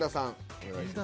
お願いします。